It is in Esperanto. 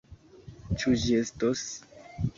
Ĉu ĝi estos?